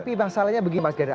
tapi masalahnya begini mas ganda